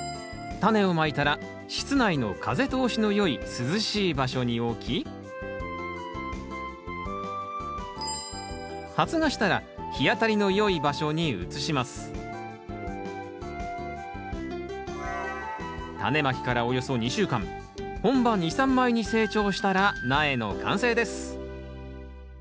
タネをまいたら室内の風通しのよい涼しい場所に置き発芽したら日当たりのよい場所に移します本葉２３枚に成長したら苗の完成です